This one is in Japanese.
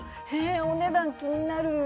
えっお値段気になる。